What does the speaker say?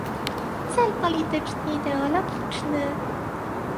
cel polityczny i ideologiczny